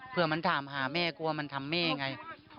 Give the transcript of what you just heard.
เพื่อมันถามหาแม่กลัวมันทำแม่ไง